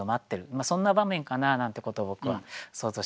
そんな場面かななんてことを僕は想像しましたね。